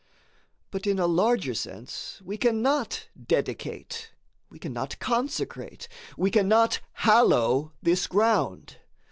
But in a larger sense we cannot dedicate, we cannot consecrate, we cannot hallow this ground.